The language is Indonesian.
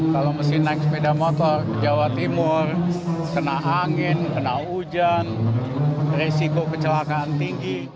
kalau mesin naik sepeda motor ke jawa timur kena angin kena hujan risiko kecelakaan tinggi